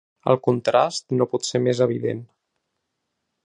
El contrast no pot ser més evident.